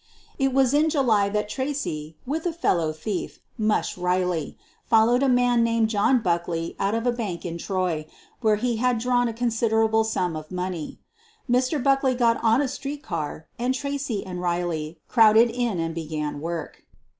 It was in July that Tracy, with a fellow thief, "Mush" Eeilly, followed a man named John Buck ley out of a bank in Troy, where he had drawn a considerable sum of money. Mr. Buckley got on a street car and Tracy and Reilly crowded in and be gan work.